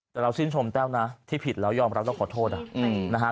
แต่เราชื่นชมแต้วนะที่ผิดแล้วยอมรับแล้วขอโทษนะฮะ